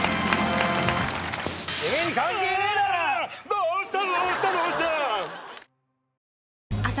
どうした？